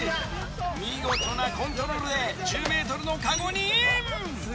見事なコントロールで１０ｍのカゴにイン！